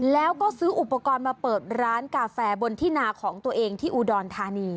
แล้วก็ซื้ออุปกรณ์มาเปิดร้านกาแฟบนที่นาของตัวเองที่อุดรธานี